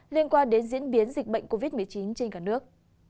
liên quan đến diễn biến dịch bệnh covid một mươi chín trên cả nước